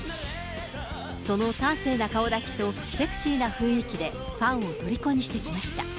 その端正な顔立ちとセクシーな雰囲気で、ファンを虜にしてきました。